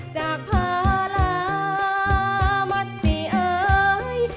จากพระมัติสิเอ้ย